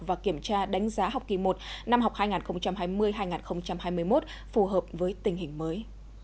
và kiểm tra đánh giá học kỳ một năm học hai nghìn hai mươi hai nghìn hai mươi một phù hợp với tình hình mới